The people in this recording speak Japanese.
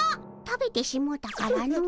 食べてしもうたからの。